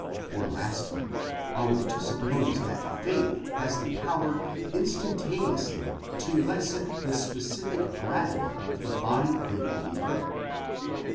or, lastly, are we to suppose that faith has the power instantaneously to lessen the specific gravity of the body of a believer?